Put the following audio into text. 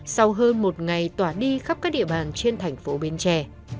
sau hơn một ngày tỏa đi khắp các địa bàn trên thành phố bến tre